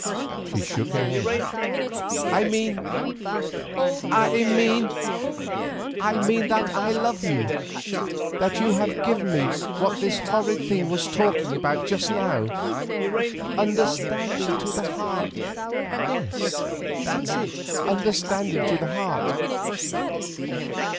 She shook her head. "I mean—I mean that I love you, that you have given me what this horrid thing was talking about just now—understanding to the heart; yes, that's it, understanding to the heart.